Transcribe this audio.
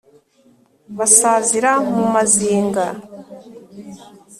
Basazira mu Mazinga.